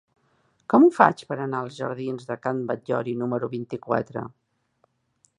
Com ho faig per anar als jardins de Can Batllori número vint-i-quatre?